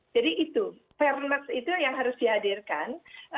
jadi itu fairness itu yang harus dihadirkan